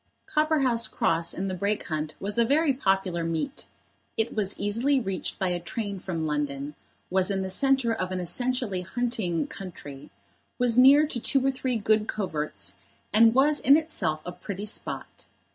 Copperhouse Cross in the Brake Hunt was a very popular meet. It was easily reached by a train from London, was in the centre of an essentially hunting country, was near to two or three good coverts, and was in itself a pretty spot.